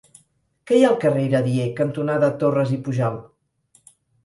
Què hi ha al carrer Iradier cantonada Torras i Pujalt?